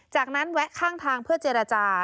จากนั้นแวะข้างทางเพื่อเจรจา